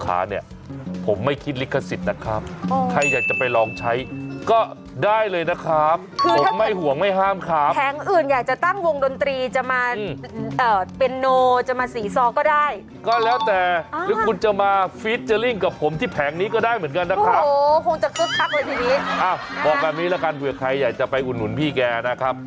อ้าวบอกการนี้แล้วกันเผื่อใครอยากจะไปอุ่นพี่แกนะครับ